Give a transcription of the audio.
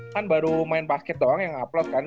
kan baru main basket doang yang ngablot kan